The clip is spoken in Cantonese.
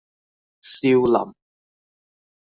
少林